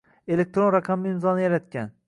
Elektron raqamli imzoni yaratgan